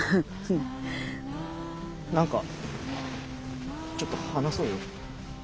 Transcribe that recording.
何かちょっと話そうよ。